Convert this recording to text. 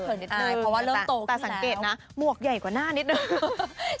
เพราะว่าเริ่มโตแต่สังเกตนะหมวกใหญ่กว่าหน้านิดนึง